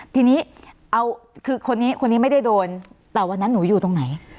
ทีนี้คนนี้ไม่ได้โดนแต่วันนั้นหนูอยู่ตรงไหน